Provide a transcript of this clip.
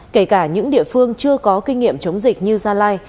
kể cả những địa phương chưa có kinh nghiệm chống dịch như gia lai